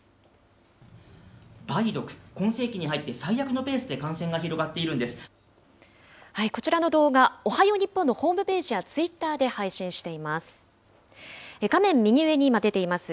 梅毒、今世紀に入って最悪のペースで感染が広がっているんでこちらの動画、おはよう日本のホームページやツイッターで配信しています。